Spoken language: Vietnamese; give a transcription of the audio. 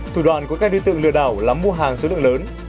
thủ đoạn của các đối tượng lừa đảo là mua hàng số lượng lớn